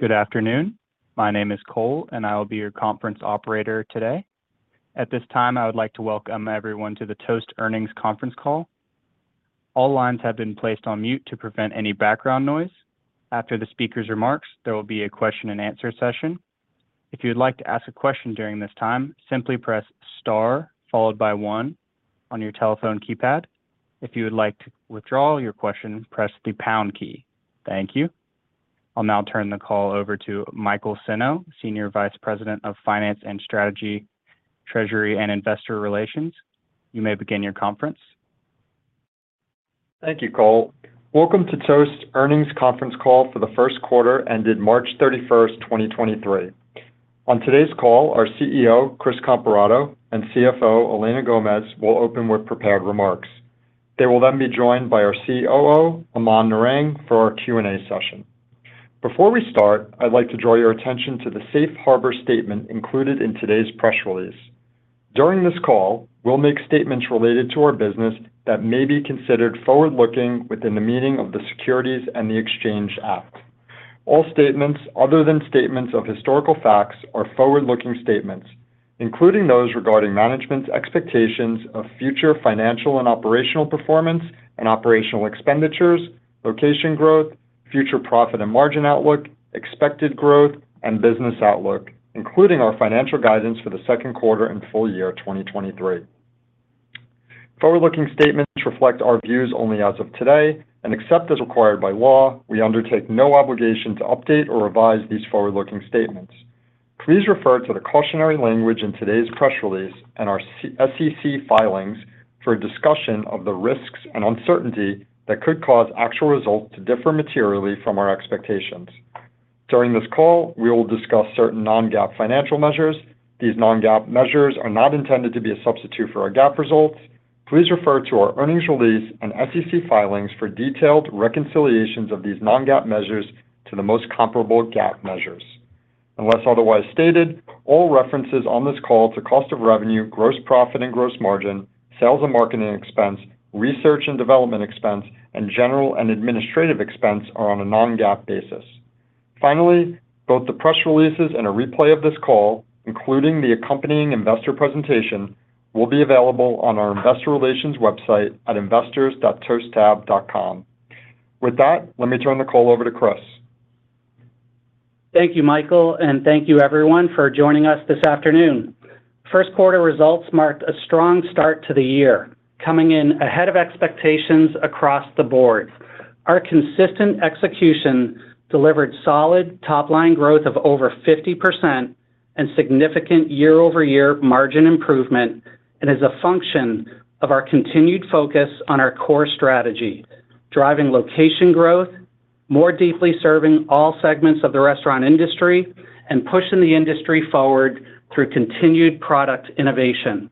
Good afternoon. My name is Cole, I will be your conference operator today. At this time, I would like to welcome everyone to the Toast Earnings Conference Call. All lines have been placed on mute to prevent any background noise. After the speaker's remarks, there will be a question and answer session. If you'd like to ask a question during this time, simply press star followed by one on your telephone keypad. If you would like to withdraw your question, press the pound key. Thank you. I'll now turn the call over to Michael Senno, Senior Vice President of Finance and Strategy, Treasury, and Investor Relations. You may begin your conference. Thank you, Cole. Welcome to Toast Earnings Conference Call for the first quarter ended March 31st, 2023. On today's call, our CEO, Chris Comparato, and CFO, Elena Gomez, will open with prepared remarks. They will then be joined by our COO, Aman Narang, for our Q&A session. Before we start, I'd like to draw your attention to the Safe Harbor statement included in today's press release. During this call, we'll make statements related to our business that may be considered forward-looking within the meaning of the Securities Exchange Act of 1934. All statements other than statements of historical facts are forward-looking statements, including those regarding management's expectations of future financial and operational performance and operational expenditures, location growth, future profit and margin outlook, expected growth, and business outlook, including our financial guidance for the second quarter and full year of 2023. Forward-looking statements reflect our views only as of today. Except as required by law, we undertake no obligation to update or revise these forward-looking statements. Please refer to the cautionary language in today's press release and our SEC filings for a discussion of the risks and uncertainty that could cause actual results to differ materially from our expectations. During this call, we will discuss certain non-GAAP financial measures. These non-GAAP measures are not intended to be a substitute for our GAAP results. Please refer to our earnings release and SEC filings for detailed reconciliations of these non-GAAP measures to the most comparable GAAP measures. Unless otherwise stated, all references on this call to cost of revenue, gross profit and gross margin, sales and marketing expense, research and development expense, and general and administrative expense are on a non-GAAP basis. Finally, both the press releases and a replay of this call, including the accompanying investor presentation, will be available on our Investor Relations website at investors.toasttab.com. With that, let me turn the call over to Chris. Thank you, Michael, thank you everyone for joining us this afternoon. First quarter results marked a strong start to the year, coming in ahead of expectations across the board. Our consistent execution delivered solid top-line growth of over 50% and significant year-over-year margin improvement, and is a function of our continued focus on our core strategy, driving location growth, more deeply serving all segments of the restaurant industry, and pushing the industry forward through continued product innovation.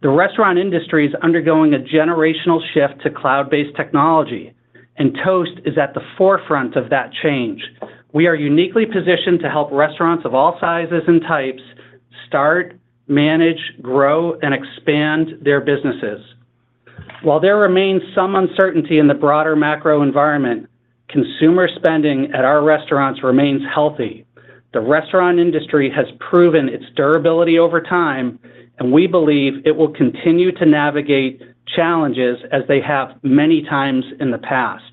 The restaurant industry is undergoing a generational shift to cloud-based technology, and Toast is at the forefront of that change. We are uniquely positioned to help restaurants of all sizes and types start, manage, grow, and expand their businesses. While there remains some uncertainty in the broader macro environment, consumer spending at our restaurants remains healthy. The restaurant industry has proven its durability over time, we believe it will continue to navigate challenges as they have many times in the past.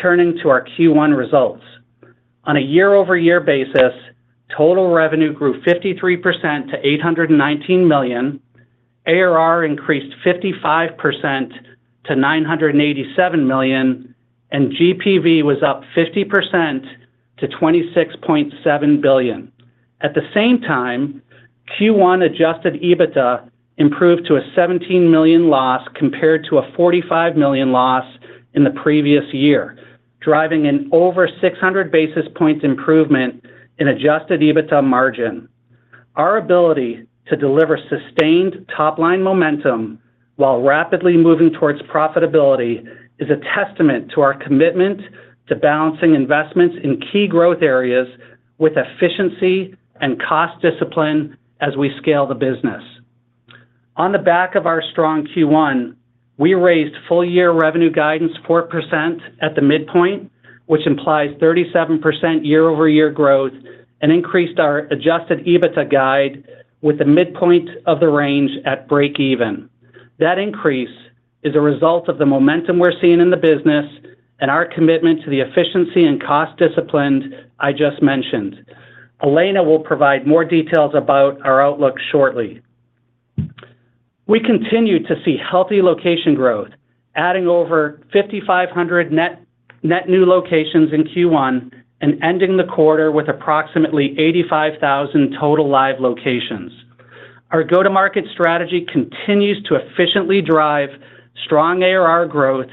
Turning to our Q1 results. On a year-over-year basis, total revenue grew 53% to $819 million, ARR increased 55% to $987 million, and GPV was up 50% to $26.7 billion. The same time, Q1 adjusted EBITDA improved to a $17 million loss compared to a $45 million loss in the previous year, driving an over 600 basis points improvement in adjusted EBITDA margin. Our ability to deliver sustained top-line momentum while rapidly moving towards profitability is a testament to our commitment to balancing investments in key growth areas with efficiency and cost discipline as we scale the business. On the back of our strong Q1, we raised full-year revenue guidance 4% at the midpoint, which implies 37% year-over-year growth and increased our adjusted EBITDA guide with the midpoint of the range at breakeven. That increase is a result of the momentum we're seeing in the business and our commitment to the efficiency and cost discipline I just mentioned. Elena will provide more details about our outlook shortly. We continue to see healthy location growth, adding over 5,500 net new locations in Q1 and ending the quarter with approximately 85,000 total live locations. Our go-to-market strategy continues to efficiently drive strong ARR growth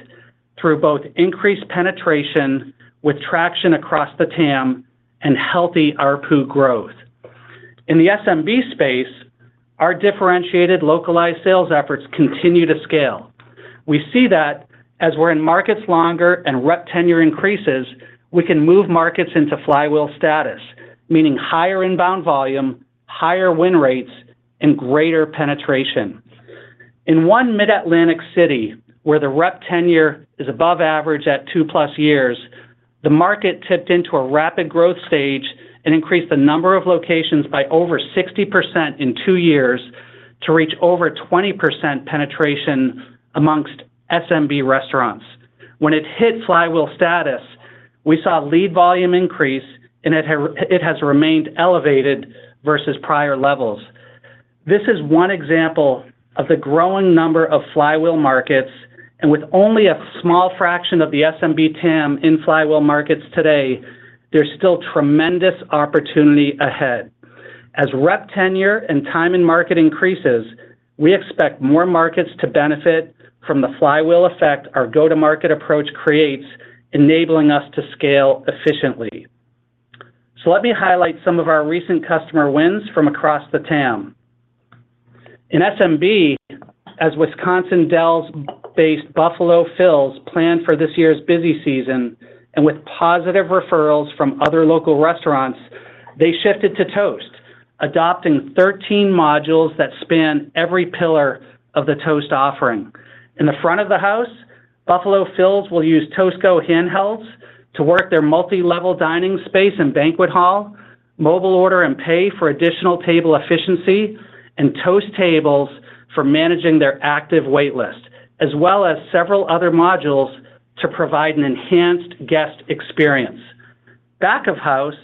through both increased penetration with traction across the TAM and healthy ARPU growth. In the SMB space, our differentiated localized sales efforts continue to scale. We see that as we're in markets longer and rep tenure increases, we can move markets into flywheel status, meaning higher inbound volume, higher win rates, and greater penetration. In one Mid-Atlantic city where the rep tenure is above average at two plus years, the market tipped into a rapid growth stage and increased the number of locations by over 60% in two years to reach over 20% penetration amongst SMB restaurants. When it hit flywheel status, we saw lead volume increase, and it has remained elevated versus prior levels. This is one example of the growing number of flywheel markets, and with only a small fraction of the SMB TAM in flywheel markets today, there's still tremendous opportunity ahead. As rep tenure and time in market increases, we expect more markets to benefit from the flywheel effect our go-to-market approach creates, enabling us to scale efficiently. Let me highlight some of our recent customer wins from across the TAM. In SMB, as Wisconsin Dells-based Buffalo Phil's planned for this year's busy season and with positive referrals from other local restaurants, they shifted to Toast, adopting 13 modules that span every pillar of the Toast offering. In the front of the house, Buffalo Phil's will use Toast Go handhelds to work their multi-level dining space and banquet hall, Mobile Order & Pay for additional table efficiency, and Toast Tables for managing their active wait list, as well as several other modules to provide an enhanced guest experience. Back of house,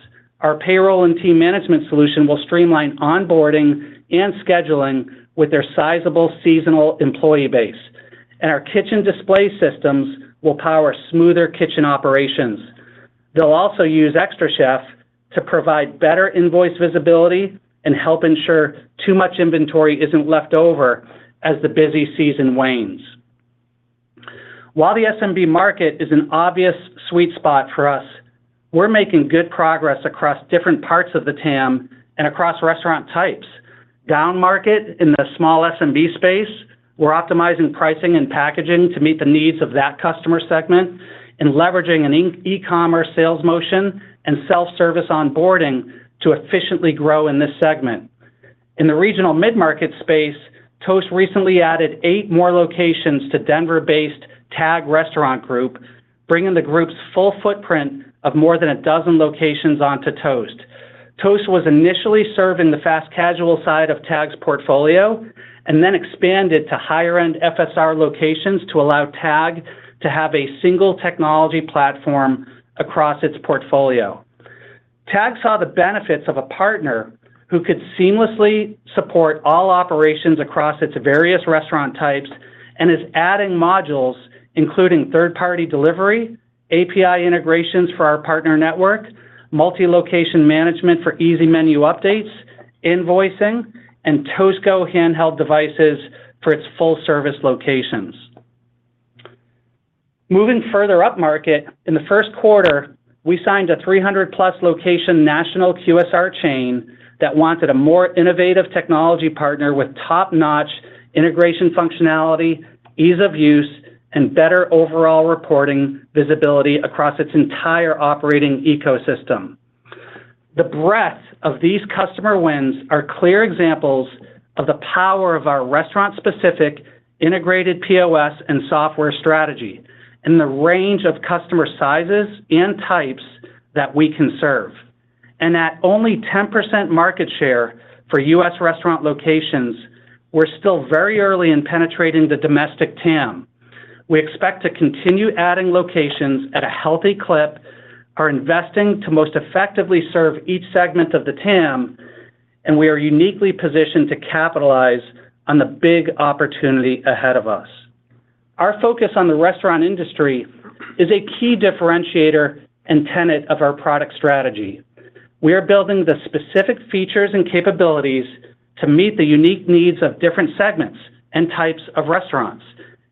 our payroll and team management solution will streamline onboarding and scheduling with their sizable seasonal employee base. Our kitchen display systems will power smoother kitchen operations. They'll also use xtraCHEF to provide better invoice visibility and help ensure too much inventory isn't left over as the busy season wanes. While the SMB market is an obvious sweet spot for us, we're making good progress across different parts of the TAM and across restaurant types. Down market, in the small SMB space, we're optimizing pricing and packaging to meet the needs of that customer segment and leveraging an e-commerce sales motion and self-service onboarding to efficiently grow in this segment. In the regional mid-market space, Toast recently added eight more locations to Denver-based TAG Restaurant Group, bringing the group's full footprint of more than 12 locations onto Toast. Toast was initially serving the fast casual side of TAG's portfolio and then expanded to higher-end FSR locations to allow TAG to have a single technology platform across its portfolio. TAG saw the benefits of a partner who could seamlessly support all operations across its various restaurant types and is adding modules, including third-party delivery, API integrations for our partner network, multi-location management for easy menu updates, invoicing, and Toast Go handheld devices for its full service locations. Moving further up market, in the first quarter, we signed a 300+ location national QSR chain that wanted a more innovative technology partner with top-notch integration functionality, ease of use, and better overall reporting visibility across its entire operating ecosystem. The breadth of these customer wins are clear examples of the power of our restaurant-specific integrated POS and software strategy and the range of customer sizes and types that we can serve. At only 10% market share for U.S. restaurant locations, we're still very early in penetrating the domestic TAM. We expect to continue adding locations at a healthy clip, are investing to most effectively serve each segment of the TAM, and we are uniquely positioned to capitalize on the big opportunity ahead of us. Our focus on the restaurant industry is a key differentiator and tenet of our product strategy. We are building the specific features and capabilities to meet the unique needs of different segments and types of restaurants,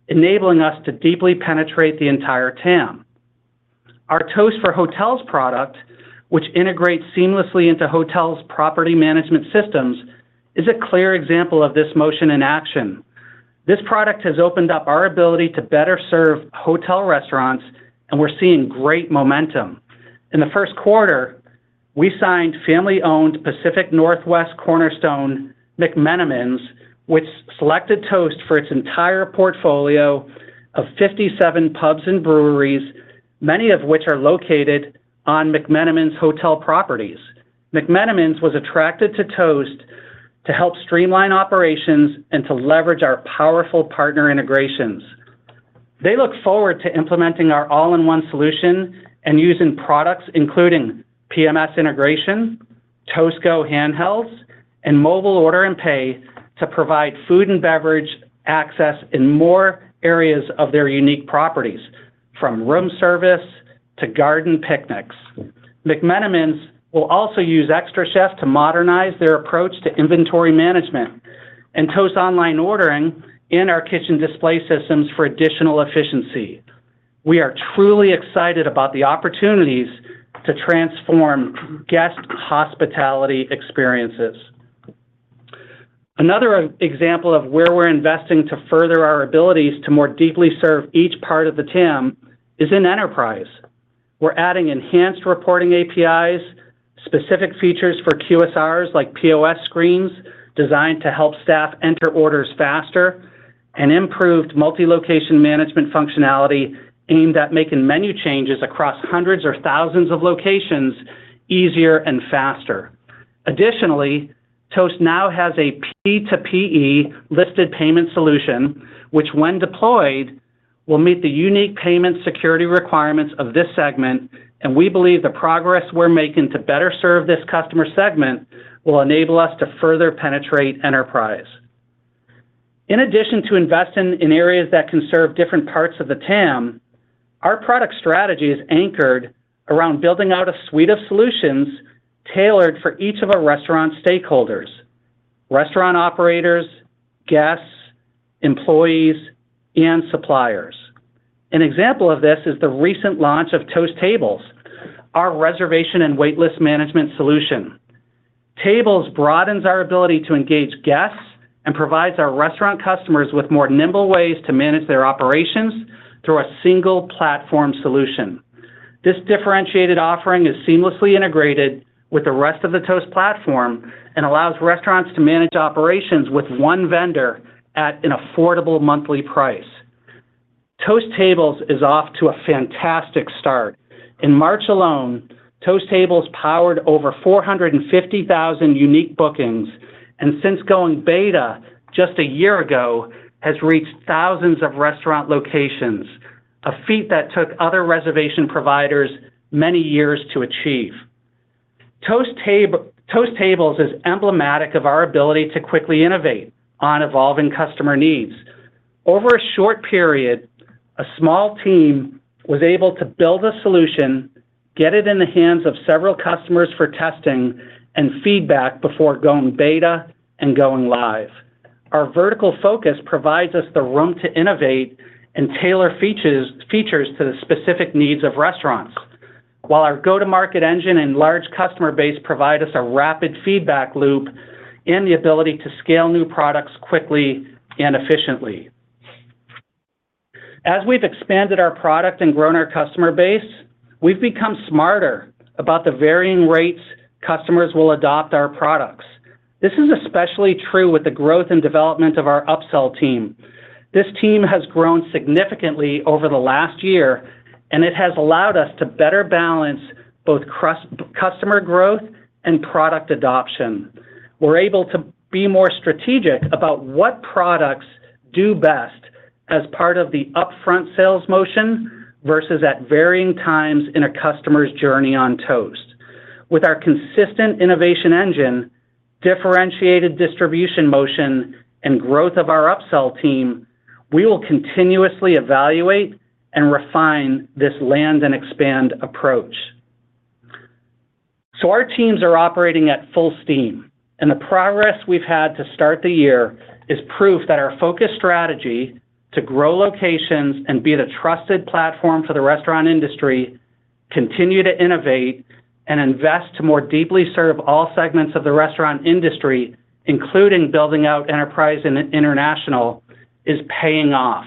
enabling us to deeply penetrate the entire TAM. Our Toast for Hotels product, which integrates seamlessly into hotels' property management systems, is a clear example of this motion in action. This product has opened up our ability to better serve hotel restaurants, and we're seeing great momentum. In the first quarter, we signed family-owned Pacific Northwest cornerstone McMenamins, which selected Toast for its entire portfolio of 57 pubs and breweries, many of which are located on McMenamins' hotel properties. McMenamins was attracted to Toast to help streamline operations and to leverage our powerful partner integrations. They look forward to implementing our all-in-one solution and using products including PMS integration, Toast Go handhelds, and Mobile Order & Pay to provide food and beverage access in more areas of their unique properties, from room service to garden picnics. McMenamins will also use xtraCHEF to modernize their approach to inventory management and Toast Online Ordering in our kitchen display systems for additional efficiency. We are truly excited about the opportunities to transform guest hospitality experiences. Another example of where we're investing to further our abilities to more deeply serve each part of the TAM is in enterprise. We're adding enhanced reporting APIs, specific features for QSRs like POS screens designed to help staff enter orders faster, and improved multi-location management functionality aimed at making menu changes across hundreds or thousands of locations easier and faster. Toast now has a P2PE listed payment solution, which when deployed, will meet the unique payment security requirements of this segment, and we believe the progress we're making to better serve this customer segment will enable us to further penetrate enterprise. Our product strategy is anchored around building out a suite of solutions tailored for each of our restaurant stakeholders, restaurant operators, guests, employees, and suppliers. An example of this is the recent launch of Toast Tables, our reservation and waitlist management solution. Tables broadens our ability to engage guests and provides our restaurant customers with more nimble ways to manage their operations through a single platform solution. This differentiated offering is seamlessly integrated with the rest of the Toast platform and allows restaurants to manage operations with one vendor at an affordable monthly price. Toast Tables is off to a fantastic start. In March alone, Toast Tables powered over 450,000 unique bookings, and since going beta just a year ago, has reached thousands of restaurant locations, a feat that took other reservation providers many years to achieve. Toast Tables is emblematic of our ability to quickly innovate on evolving customer needs. Over a short period, a small team was able to build a solution, get it in the hands of several customers for testing and feedback before going beta and going live. Our vertical focus provides us the room to innovate and tailor features to the specific needs of restaurants, while our go-to-market engine and large customer base provide us a rapid feedback loop and the ability to scale new products quickly and efficiently. As we've expanded our product and grown our customer base, we've become smarter about the varying rates customers will adopt our products. This is especially true with the growth and development of our upsell team. This team has grown significantly over the last year, and it has allowed us to better balance both customer growth and product adoption. We're able to be more strategic about what products do best as part of the upfront sales motion versus at varying times in a customer's journey on Toast. With our consistent innovation engine, differentiated distribution motion, and growth of our upsell team, we will continuously evaluate and refine this land and expand approach. Our teams are operating at full steam, and the progress we've had to start the year is proof that our focused strategy to grow locations and be the trusted platform for the restaurant industry, continue to innovate, and invest to more deeply serve all segments of the restaurant industry, including building out enterprise and international, is paying off.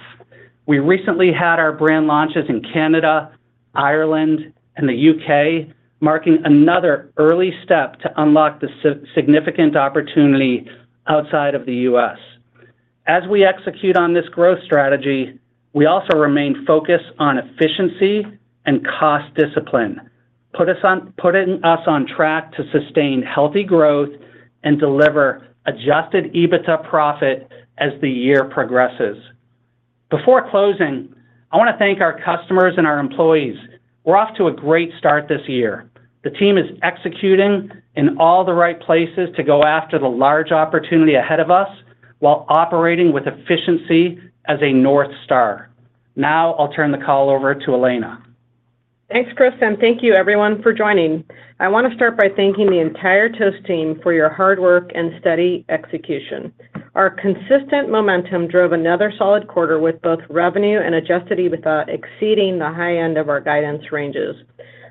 We recently had our brand launches in Canada, Ireland, and the U.K., marking another early step to unlock the significant opportunity outside of the U.S. As we execute on this growth strategy, we also remain focused on efficiency and cost discipline, putting us on track to sustain healthy growth and deliver adjusted EBITDA profit as the year progresses. Before closing, I want to thank our customers and our employees. We're off to a great start this year. The team is executing in all the right places to go after the large opportunity ahead of us while operating with efficiency as a North Star. I'll turn the call over to Elena. Thanks, Chris. Thank you everyone for joining. I want to start by thanking the entire Toast team for your hard work and steady execution. Our consistent momentum drove another solid quarter with both revenue and adjusted EBITDA exceeding the high end of our guidance ranges.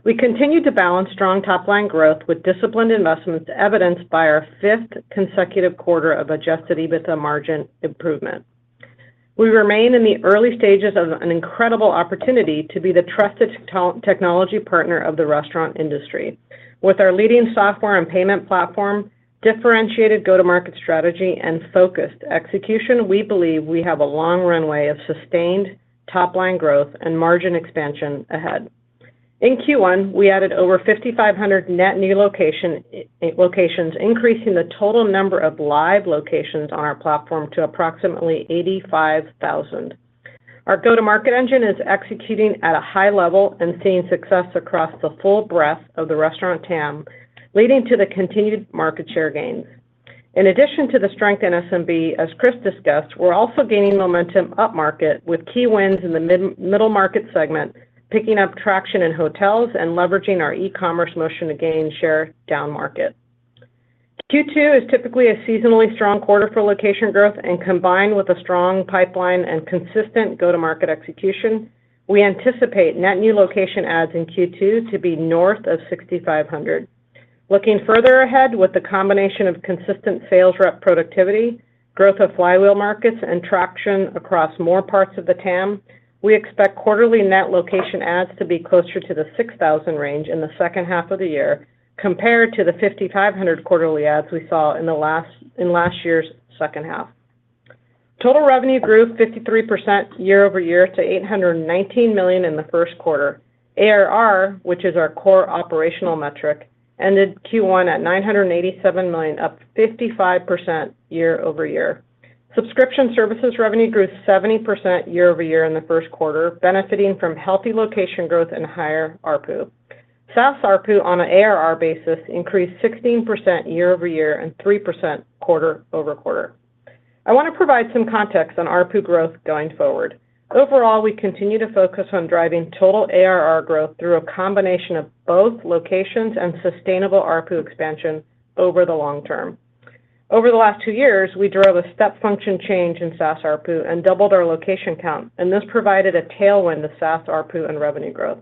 We continued to balance strong top-line growth with disciplined investments evidenced by our fifth consecutive quarter of adjusted EBITDA margin improvement. We remain in the early stages of an incredible opportunity to be the trusted technology partner of the restaurant industry. With our leading software and payment platform, differentiated go-to-market strategy, and focused execution, we believe we have a long runway of sustained top-line growth and margin expansion ahead. In Q1, we added over 5,500 net new locations, increasing the total number of live locations on our platform to approximately 85,000. Our go-to-market engine is executing at a high level and seeing success across the full breadth of the restaurant TAM, leading to the continued market share gains. In addition to the strength in SMB, as Chris discussed, we're also gaining momentum upmarket with key wins in the middle market segment, picking up traction in hotels, and leveraging our e-commerce motion to gain share downmarket. Q2 is typically a seasonally strong quarter for location growth, and combined with a strong pipeline and consistent go-to-market execution, we anticipate net new location adds in Q2 to be north of 6,500. Looking further ahead, with the combination of consistent sales rep productivity, growth of flywheel markets, and traction across more parts of the TAM, we expect quarterly net location adds to be closer to the 6,000 range in the second half of the year compared to the 5,500 quarterly adds we saw in last year's second half. Total revenue grew 53% year-over-year to $819 million in the first quarter. ARR, which is our core operational metric, ended Q1 at $987 million, up 55% year-over-year. Subscription services revenue grew 70% year-over-year in the first quarter, benefiting from healthy location growth and higher ARPU. SaaS ARPU on an ARR basis increased 16% year-over-year and 3% quarter-over-quarter. I want to provide some context on ARPU growth going forward. Overall, we continue to focus on driving total ARR growth through a combination of both locations and sustainable ARPU expansion over the long term. Over the last two years, we drove a step function change in SaaS ARPU and doubled our location count. This provided a tailwind to SaaS ARPU and revenue growth.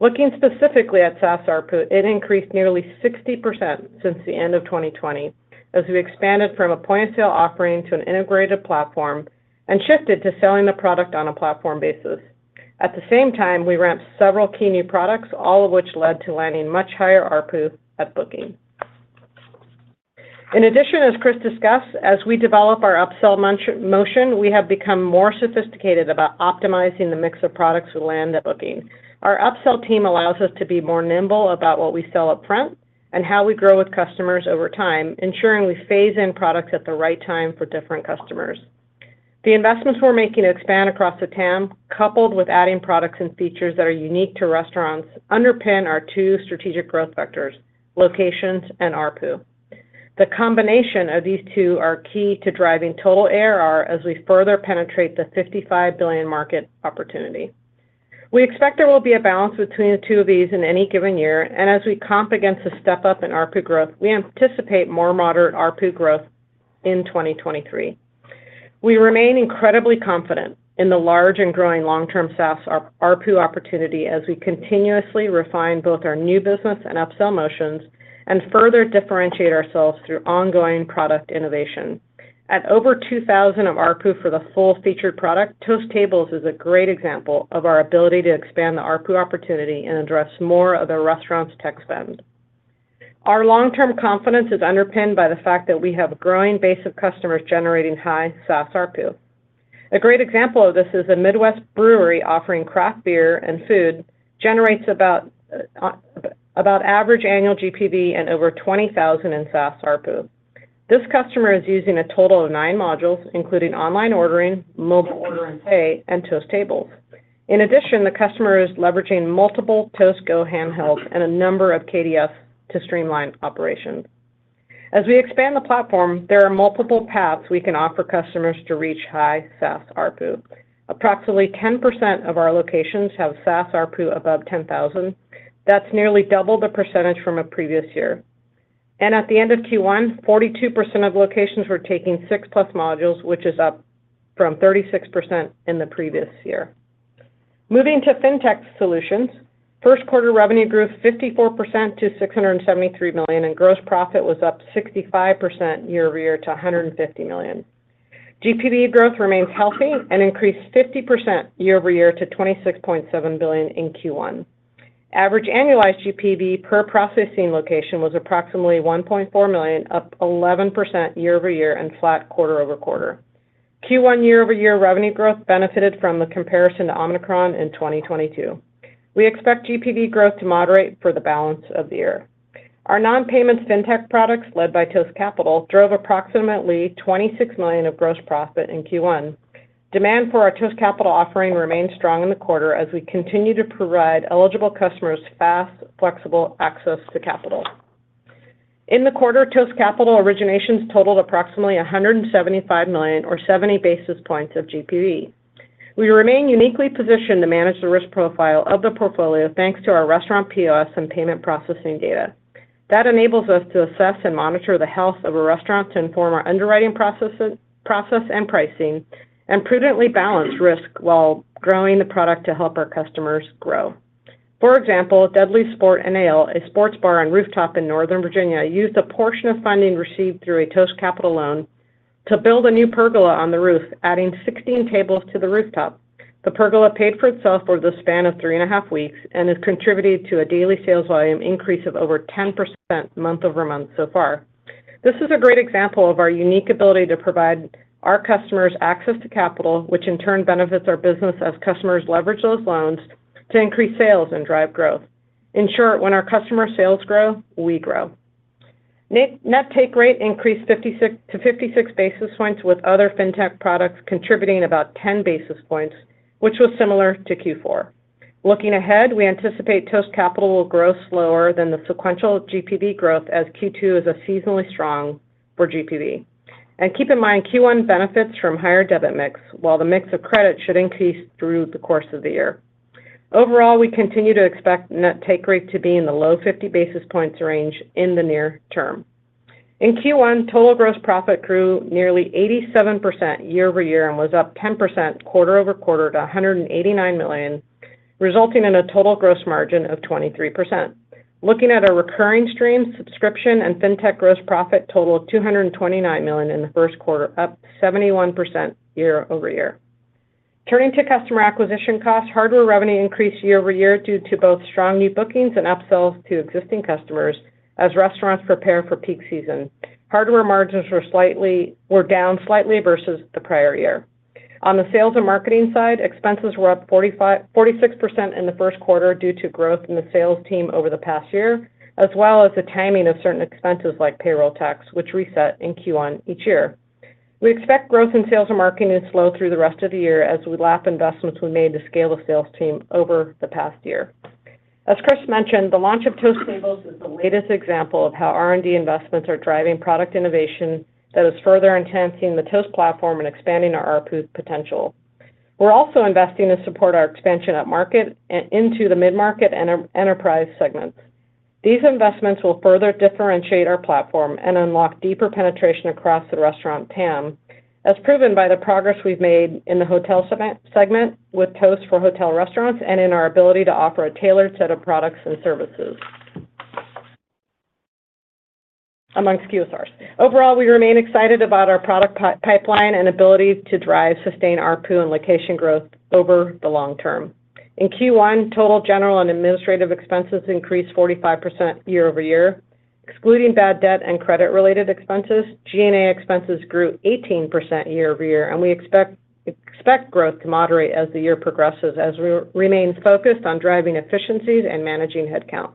Looking specifically at SaaS ARPU, it increased nearly 60% since the end of 2020 as we expanded from a point-of-sale offering to an integrated platform and shifted to selling the product on a platform basis. At the same time, we ramped several key new products, all of which led to landing much higher ARPU at booking. In addition, as Chris discussed, as we develop our upsell motion, we have become more sophisticated about optimizing the mix of products we land at booking. Our upsell team allows us to be more nimble about what we sell upfront and how we grow with customers over time, ensuring we phase in products at the right time for different customers. The investments we're making to expand across the TAM, coupled with adding products and features that are unique to restaurants, underpin our 2 strategic growth vectors, locations and ARPU. The combination of these two are key to driving total ARR as we further penetrate the $55 billion market opportunity. We expect there will be a balance between the two of these in any given year, and as we comp against the step-up in ARPU growth, we anticipate more moderate ARPU growth in 2023. We remain incredibly confident in the large and growing long-term SaaS ARPU opportunity as we continuously refine both our new business and upsell motions and further differentiate ourselves through ongoing product innovation. At over $2,000 of ARPU for the full featured product, Toast Tables is a great example of our ability to expand the ARPU opportunity and address more of the restaurant's tech spend. Our long-term confidence is underpinned by the fact that we have a growing base of customers generating high SaaS ARPU. A great example of this is a Midwest brewery offering craft beer and food generates about average annual GPV and over $20,000 in SaaS ARPU. This customer is using a total of nine modules, including Online Ordering, Mobile Order & Pay, and Toast Tables. In addition, the customer is leveraging multiple Toast Go handhelds and a number of KDS to streamline operations. As we expand the platform, there are multiple paths we can offer customers to reach high SaaS ARPU. Approximately 10% of our locations have SaaS ARPU above $10,000. That's nearly double the percentage from a previous year. At the end of Q1, 42% of locations were taking 6-plus modules, which is up from 36% in the previous year. Moving to FinTech solutions, first quarter revenue grew 54% to $673 million, and gross profit was up 65% year-over-year to $150 million. GPV growth remains healthy and increased 50% year-over-year to $26.7 billion in Q1. Average annualized GPV per processing location was approximately $1.4 million, up 11% year-over-year and flat quarter-over-quarter. Q1 year-over-year revenue growth benefited from the comparison to Omicron in 2022. We expect GPV growth to moderate for the balance of the year. Our non-payment FinTech products, led by Toast Capital, drove approximately $26 million of gross profit in Q1. Demand for our Toast Capital offering remained strong in the quarter as we continue to provide eligible customers fast, flexible access to capital. In the quarter, Toast Capital originations totaled approximately $175 million or 70 basis points of GPV. We remain uniquely positioned to manage the risk profile of the portfolio, thanks to our restaurant POS and payment processing data. That enables us to assess and monitor the health of a restaurant to inform our underwriting process and pricing and prudently balance risk while growing the product to help our customers grow. For example, Dudley's Sport and Ale, a sports bar and rooftop in Northern Virginia, used a portion of funding received through a Toast Capital loan to build a new pergola on the roof, adding 16 tables to the rooftop. The pergola paid for itself over the span of three and a half weeks and has contributed to a daily sales volume increase of over 10% month-over-month so far. This is a great example of our unique ability to provide our customers access to capital, which in turn benefits our business as customers leverage those loans to increase sales and drive growth. In short, when our customer sales grow, we grow. Net, net take rate increased 56 to 56 basis points, with other FinTech products contributing about 10 basis points, which was similar to Q4. Looking ahead, we anticipate Toast Capital will grow slower than the sequential GPV growth as Q2 is a seasonally strong for GPV. Keep in mind, Q1 benefits from higher debit mix, while the mix of credit should increase through the course of the year. Overall, we continue to expect net take rate to be in the low 50 basis points range in the near term. In Q1, total gross profit grew nearly 87% year-over-year and was up 10% quarter-over-quarter to $189 million, resulting in a total gross margin of 23%. Looking at our recurring streams, subscription and FinTech gross profit totaled $229 million in the first quarter, up 71% year-over-year. Turning to customer acquisition costs, hardware revenue increased year-over-year due to both strong new bookings and upsells to existing customers as restaurants prepare for peak season. Hardware margins were down slightly versus the prior year. On the sales and marketing side, expenses were up 46% in the first quarter due to growth in the sales team over the past year, as well as the timing of certain expenses like payroll tax, which reset in Q1 each year. We expect growth in sales and marketing to slow through the rest of the year as we lap investments we made to scale the sales team over the past year. As Chris mentioned, the launch of Toast Tables is the latest example of how R&D investments are driving product innovation that is further enhancing the Toast platform and expanding our ARPU potential. We're also investing to support our expansion up market and into the mid-market and enterprise segments. These investments will further differentiate our platform and unlock deeper penetration across the restaurant TAM, as proven by the progress we've made in the hotel segment with Toast for Hotel Restaurants and in our ability to offer a tailored set of products and services amongst QSRs. Overall, we remain excited about our product pipeline and ability to drive sustained ARPU and location growth over the long term. In Q1, total general and administrative expenses increased 45% year-over-year. Excluding bad debt and credit related expenses, G&A expenses grew 18% year-over-year, and we expect growth to moderate as the year progresses as we remain focused on driving efficiencies and managing headcount.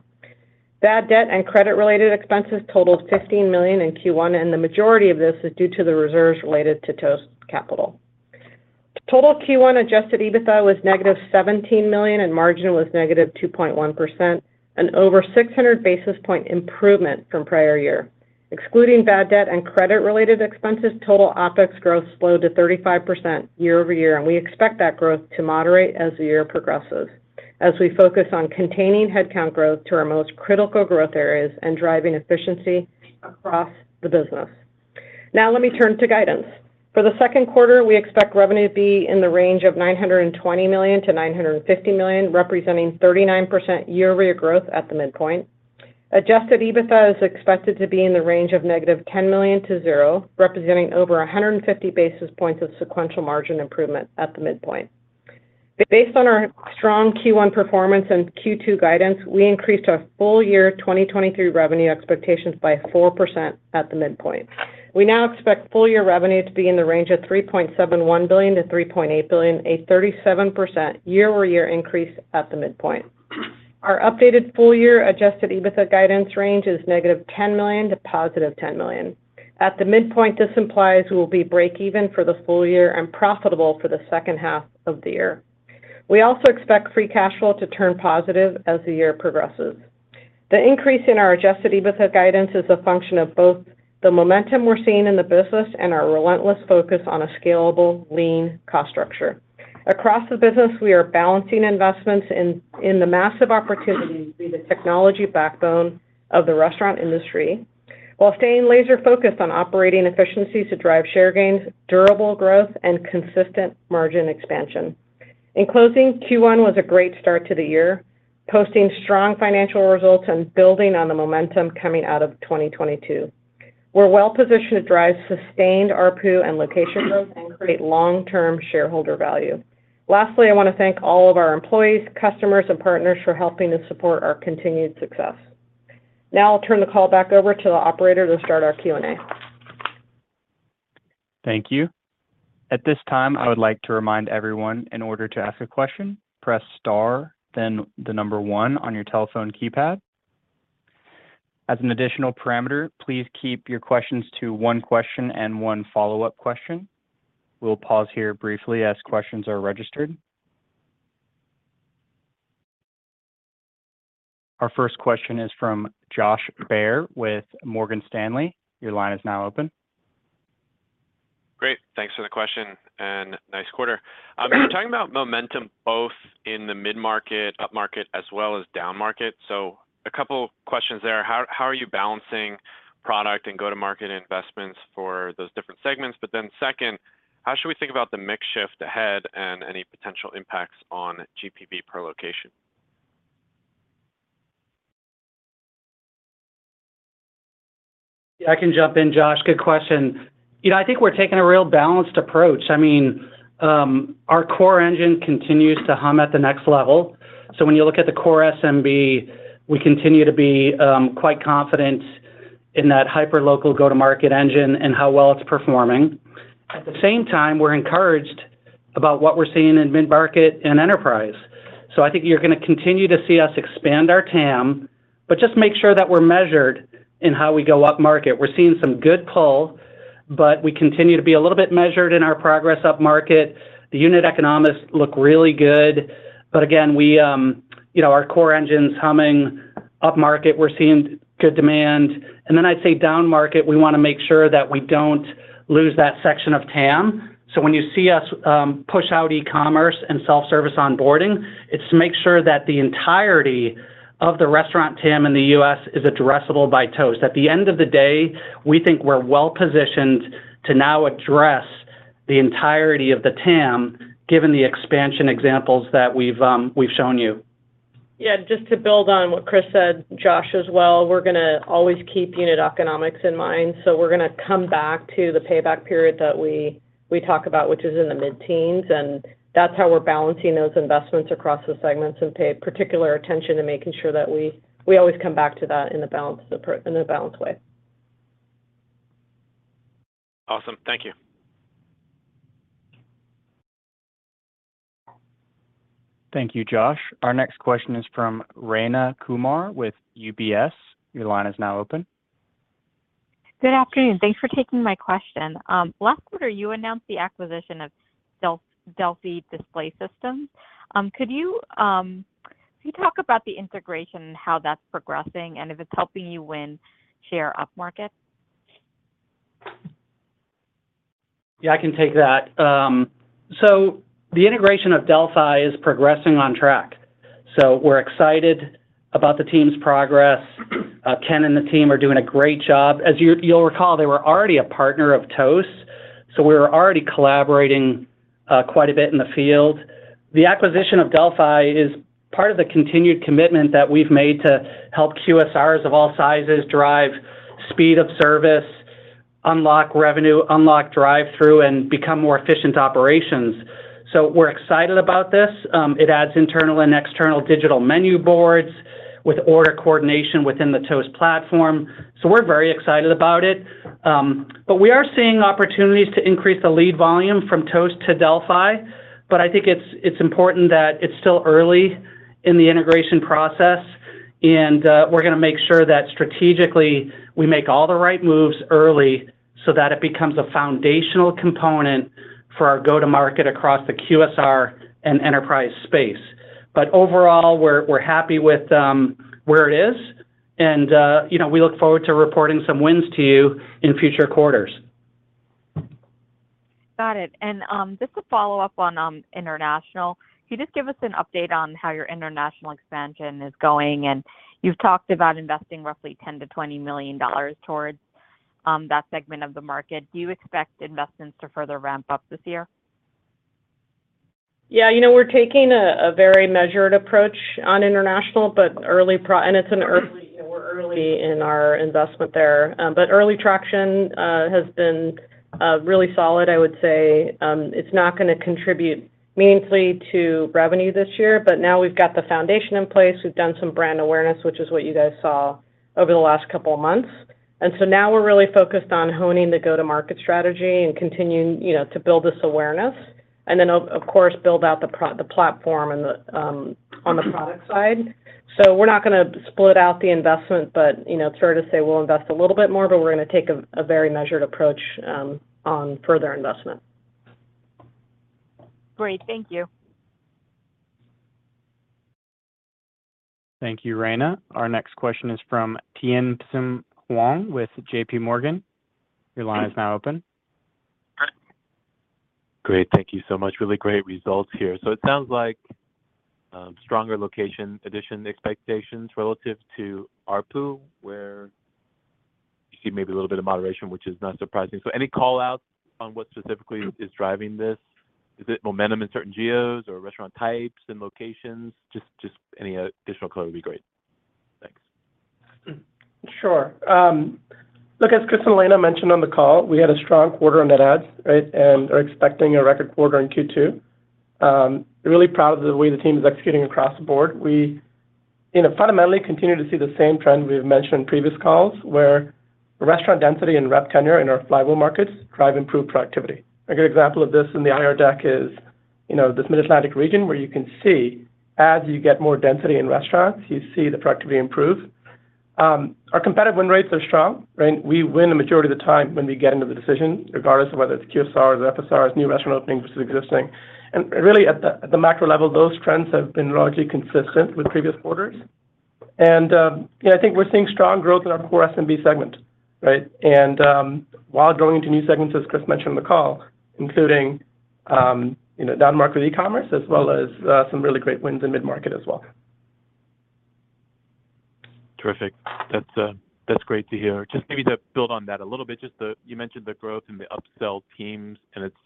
Bad debt and credit-related expenses totaled $15 million in Q1. The majority of this is due to the reserves related to Toast Capital. Total Q1 adjusted EBITDA was negative $17 million and margin was negative 2.1%, an over 600 basis points improvement from prior year. Excluding bad debt and credit-related expenses, total OpEx growth slowed to 35% year-over-year. We expect that growth to moderate as the year progresses as we focus on containing headcount growth to our most critical growth areas and driving efficiency across the business. Now let me turn to guidance. For the second quarter, we expect revenue to be in the range of $920 million-$950 million, representing 39% year-over-year growth at the midpoint. Adjusted EBITDA is expected to be in the range of - $10 million-$0, representing over 150 basis points of sequential margin improvement at the midpoint. Based on our strong Q1 performance and Q2 guidance, we increased our full year 2023 revenue expectations by 4% at the midpoint. We now expect full year revenue to be in the range of $3.71 billion-$3.8 billion, a 37% year-over-year increase at the midpoint. Our updated full year adjusted EBITDA guidance range is - $10 million to +$10 million. At the midpoint, this implies we will be break even for the full year and profitable for the second half of the year. We also expect free cash flow to turn positive as the year progresses. The increase in our adjusted EBITDA guidance is a function of both the momentum we're seeing in the business and our relentless focus on a scalable, lean cost structure. Across the business, we are balancing investments in the massive opportunity to be the technology backbone of the restaurant industry while staying laser focused on operating efficiencies to drive share gains, durable growth, and consistent margin expansion. In closing, Q1 was a great start to the year, posting strong financial results and building on the momentum coming out of 2022. We're well positioned to drive sustained ARPU and location growth and create long-term shareholder value. I want to thank all of our employees, customers, and partners for helping us support our continued success. I'll turn the call back over to the operator to start our Q&A. Thank you. At this time, I would like to remind everyone in order to ask a question, press star, then the number one on your telephone keypad. As an additional parameter, please keep your questions to one question and one follow-up question. We'll pause here briefly as questions are registered. Our first question is from Josh Baer with Morgan Stanley. Your line is now open. Great. Thanks for the question and nice quarter. You're talking about momentum both in the mid-market, up-market, as well as down market. A couple questions there. How are you balancing product and go-to-market investments for those different segments? Second, how should we think about the mix shift ahead and any potential impacts on GPV per location? I can jump in, Josh. Good question. You know, I think we're taking a real balanced approach. I mean, our core engine continues to hum at the next level. When you look at the core SMB, we continue to be quite confident in that hyperlocal go-to-market engine and how well it's performing. At the same time, we're encouraged about what we're seeing in mid-market and enterprise. I think you're going to continue to see us expand our TAM, just make sure that we're measured in how we go up market. We're seeing some good pull, we continue to be a little bit measured in our progress up market. The unit economics look really good, again, we. You know, our core engine's humming up market. We're seeing good demand. I'd say down market, we want to make sure that we don't lose that section of TAM. When you see us push out e-commerce and self-service onboarding, it's to make sure that the entirety of the restaurant TAM in the U.S. is addressable by Toast. At the end of the day, we think we're well-positioned to now address The entirety of the TAM, given the expansion examples that we've shown you. Yeah. Just to build on what Chris said, Josh, as well, we're gonna always keep unit economics in mind. We're gonna come back to the payback period that we talk about, which is in the mid-teens, and that's how we're balancing those investments across the segments and pay particular attention to making sure that we always come back to that in a balanced approach, in a balanced way. Awesome. Thank you. Thank you, Josh. Our next question is from Rayna Kumar with UBS. Your line is now open. Good afternoon. Thanks for taking my question. Last quarter, you announced the acquisition of Delphi Display Systems. could you talk about the integration and how that's progressing and if it's helping you win share up-market? Yeah, I can take that. The integration of Delphi is progressing on track. We're excited about the team's progress. Ken and the team are doing a great job. As you'll recall, they were already a partner of Toast, we were already collaborating quite a bit in the field. The acquisition of Delphi is part of the continued commitment that we've made to help QSRs of all sizes drive speed of service, unlock revenue, unlock drive-thru, and become more efficient operations. We're excited about this. It adds internal and external digital menu boards with order coordination within the Toast platform. We're very excited about it. We are seeing opportunities to increase the lead volume from Toast to Delphi, but I think it's important that it's still early in the integration process, and we're gonna make sure that strategically we make all the right moves early so that it becomes a foundational component for our go-to-market across the QSR and enterprise space. Overall, we're happy with where it is and, you know, we look forward to reporting some wins to you in future quarters. Got it. Just a follow-up on international. Can you just give us an update on how your international expansion is going? You've talked about investing roughly $10 million-$20 million towards that segment of the market. Do you expect investments to further ramp up this year? Yeah. You know, we're taking a very measured approach on international, but early. You know, we're early in our investment there. Early traction has been really solid, I would say. It's not gonna contribute meaningfully to revenue this year, now we've got the foundation in place. We've done some brand awareness, which is what you guys saw over the last couple of months. Now we're really focused on honing the go-to-market strategy and continuing, you know, to build this awareness and then of course, build out the platform and the on the product side. We're not gonna split out the investment, but, you know, it's fair to say we'll invest a little bit more, but we're gonna take a very measured approach on further investment. Great. Thank you. Thank you, Rayna. Our next question is from Tien-Tsin Huang with JPMorgan. Your line is now open. Great. Thank you so much. Really great results here. It sounds like stronger location addition expectations relative to ARPU, where you see maybe a little bit of moderation, which is not surprising. Any call-outs on what specifically is driving this? Is it momentum in certain geos or restaurant types and locations? Just any additional color would be great. Thanks. Sure. look, as Chris and Elena mentioned on the call, we had a strong quarter on net adds, right? Are expecting a record quarter in Q2. Really proud of the way the team is executing across the board. We, you know, fundamentally continue to see the same trend we have mentioned in previous calls, where restaurant density and rep tenure in our flyable markets drive improved productivity. A good example of this in the IR deck is, you know, this Mid-Atlantic region where you can see as you get more density in restaurants, you see the productivity improve. Our competitive win rates are strong, right? We win a majority of the time when we get into the decision, regardless of whether it's QSRs, FSRs, new restaurant openings versus existing. Really at the macro level, those trends have been largely consistent with previous quarters. You know, I think we're seeing strong growth in our core SMB segment, right? While growing into new segments, as Chris mentioned on the call, including, you know, down-market e-commerce, as well as some really great wins in mid-market as well. Terrific. That's great to hear. Just maybe to build on that a little bit. You mentioned the growth in the upsell teams, and it's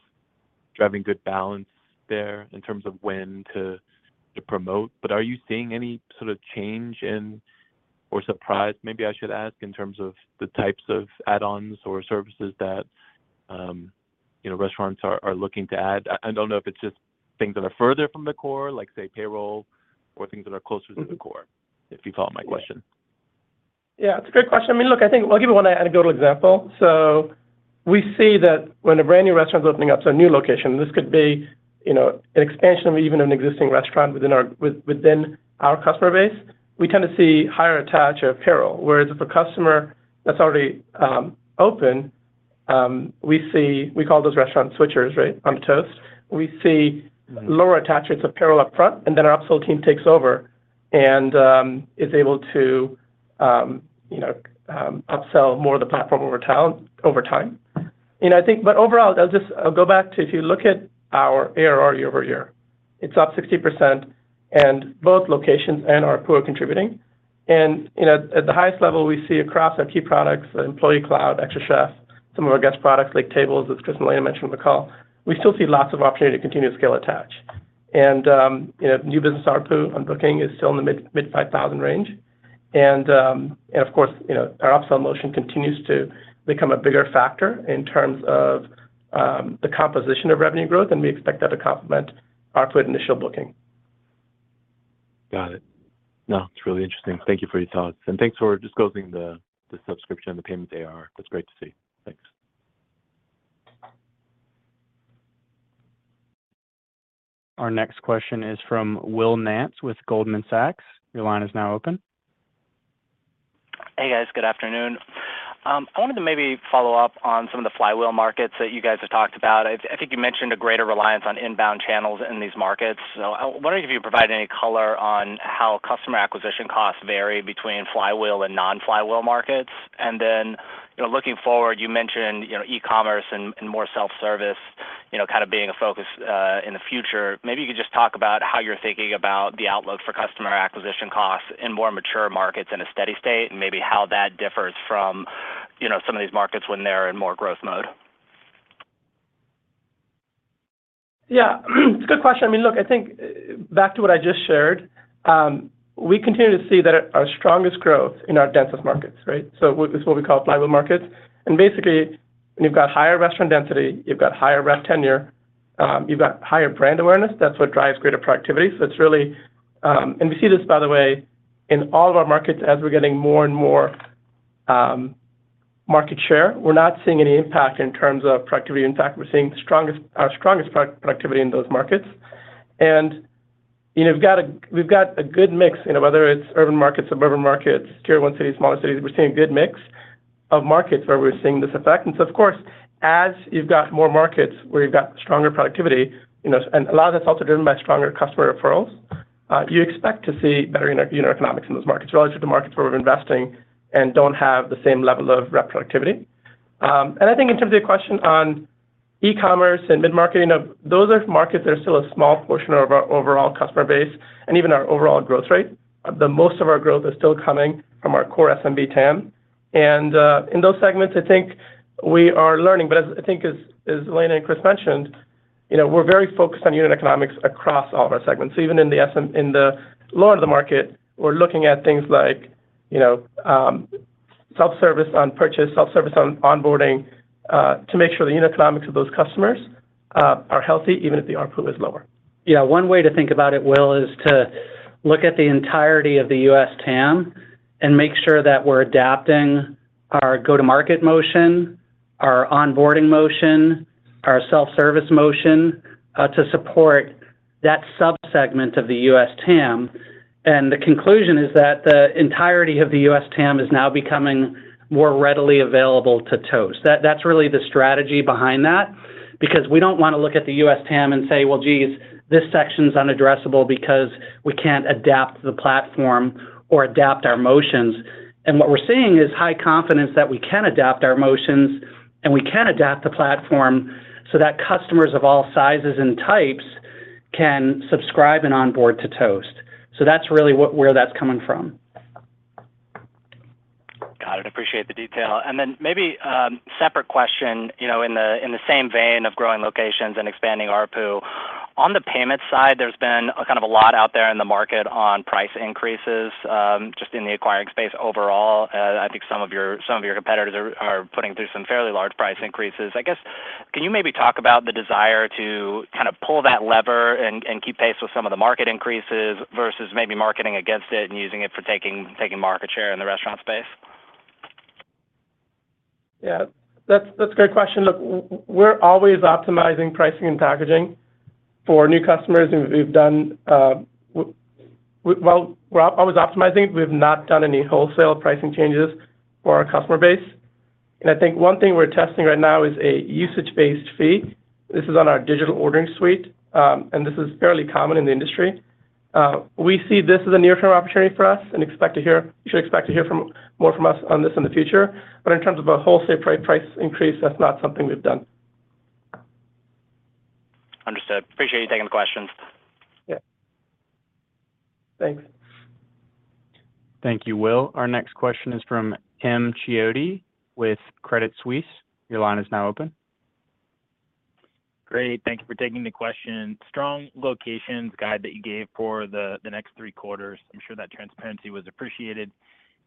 driving good balance there in terms of when to promote. Are you seeing any sort of change in or surprise, maybe I should ask, in terms of the types of add-ons or services that, you know, restaurants are looking to add? I don't know if it's just things that are further from the core, like, say, payroll or things that are closer to the core, if you follow my question. Yeah, it's a great question. I mean, look, I think I'll give you one anecdotal example. We see that when a brand new restaurant's opening up, a new location, this could be, you know, an expansion of even an existing restaurant within our within our customer base, we tend to see higher attach of payroll. Whereas if a customer that's already open, we see, we call those restaurant switchers, right, on Toast. We see lower attachments of payroll up front, and then our upsell team takes over and is able to, you know, upsell more of the platform over time. You know, I think but overall, I'll just go back to if you look at our ARR year-over-year, it's up 60% and both locations and ARPU are contributing. You know, at the highest level, we see across our key products, Employee Cloud, xtraCHEF, some of our guest products like Tables, as Chris and Elena mentioned on the call, we still see lots of opportunity to continue to scale Attach. You know, new business ARPU on booking is still in the mid-$5,000 range. Of course, you know, our upsell motion continues to become a bigger factor in terms of the composition of revenue growth, and we expect that to complement ARPU at initial booking. Got it. No, it's really interesting. Thank you for your thoughts. Thanks for disclosing the subscription and the payment AR. That's great to see. Thanks. Our next question is from Will Nance with Goldman Sachs. Your line is now open. Hey, guys. Good afternoon. I wanted to maybe follow up on some of the flywheel markets that you guys have talked about. I think you mentioned a greater reliance on inbound channels in these markets. I wonder if you provide any color on how customer acquisition costs vary between flywheel and non-flywheel markets. Then, you know, looking forward, you mentioned, you know, e-commerce and more self-service, you know, kind of being a focus in the future. Maybe you could just talk about how you're thinking about the outlook for customer acquisition costs in more mature markets in a steady state, and maybe how that differs from, you know, some of these markets when they're in more growth mode. Yeah. It's a good question. I mean, look, I think back to what I just shared, we continue to see that our strongest growth in our densest markets, right? This is what we call flywheel markets. Basically, when you've got higher restaurant density, you've got higher rev tenure, you've got higher brand awareness, that's what drives greater productivity. It's really. We see this by the way in all of our markets as we're getting more and more market share. We're not seeing any impact in terms of productivity. In fact, we're seeing the strongest, our strongest productivity in those markets. You know, we've got a good mix, you know, whether it's urban markets, suburban markets, tier one cities, smaller cities, we're seeing a good mix of markets where we're seeing this effect. Of course, as you've got more markets where you've got stronger productivity, you know, and a lot of that's also driven by stronger customer referrals, you expect to see better unit economics in those markets relative to markets where we're investing and don't have the same level of rep productivity. I think in terms of your question on e-commerce and mid-market, you know, those are markets that are still a small portion of our overall customer base and even our overall growth rate. The most of our growth is still coming from our core SMB TAM. In those segments, I think we are learning, but as Elena and Chris mentioned, you know, we're very focused on unit economics across all of our segments. Even in the lower of the market, we're looking at things like, you know, self-service on purchase, self-service on onboarding, to make sure the unit economics of those customers are healthy, even if the ARPU is lower. Yeah. One way to think about it, Will, is to look at the entirety of the U.S. TAM and make sure that we're adapting our go-to-market motion, our onboarding motion, our self-service motion to support that sub-segment of the U.S. TAM. The conclusion is that the entirety of the U.S. TAM is now becoming more readily available to Toast. That's really the strategy behind that, because we don't wanna look at the U.S. TAM and say, "Well, geez, this section's unaddressable because we can't adapt the platform or adapt our motions." What we're seeing is high confidence that we can adapt our motions and we can adapt the platform so that customers of all sizes and types can subscribe and onboard to Toast. That's really what where that's coming from. Got it. Appreciate the detail. Then maybe, separate question, you know, in the same vein of growing locations and expanding ARPU. On the payment side, there's been a kind of a lot out there in the market on price increases, just in the acquiring space overall. I think some of your competitors are putting through some fairly large price increases. I guess, can you maybe talk about the desire to kind of pull that lever and keep pace with some of the market increases versus maybe marketing against it and using it for taking market share in the restaurant space? Yeah. That's a great question. Look, we're always optimizing pricing and packaging for new customers, we've done, well, we're always optimizing. We've not done any wholesale pricing changes for our customer base. I think one thing we're testing right now is a usage-based fee. This is on our digital ordering suite, and this is fairly common in the industry. We see this as a near-term opportunity for us and you should expect to hear more from us on this in the future. In terms of a wholesale price increase, that's not something we've done. Understood. Appreciate you taking the questions. Yeah. Thanks. Thank you, Will. Our next question is from Timothy Chiodo with Credit Suisse. Your line is now open. Great. Thank you for taking the question. Strong locations guide that you gave for the next three quarters, I'm sure that transparency was appreciated.